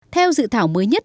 theo dự thảo mới nhất